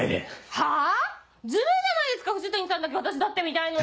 はぁ⁉ずるいじゃないですか藤谷さんだけ私だって見たいのに。